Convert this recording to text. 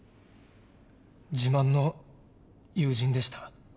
自慢の友人でした。